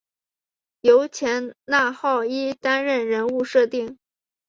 由前纳浩一担任人物设定。